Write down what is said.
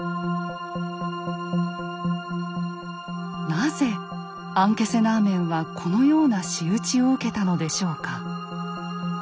なぜアンケセナーメンはこのような仕打ちを受けたのでしょうか？